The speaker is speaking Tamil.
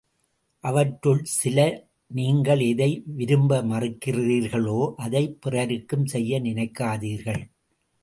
அவற்றுள் சில நீங்கள் எதை விரும்ப மறுக்கிறீர்களோ, அதைப் பிறருக்குச் செய்ய நினைக்காதீர்கள்!